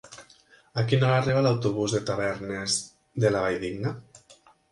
A quina hora arriba l'autobús de Tavernes de la Valldigna?